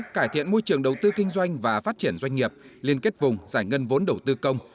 cải thiện môi trường đầu tư kinh doanh và phát triển doanh nghiệp liên kết vùng giải ngân vốn đầu tư công